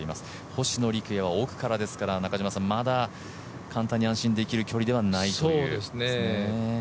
星野陸也は奥からですからまだ簡単に安心できる距離ではないですね。